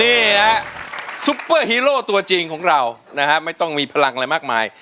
นี่ฮะซุปเปอร์ฮีโร่ตัวจริงของเรานะฮะไม่ต้องมีพลังอะไรมากมาย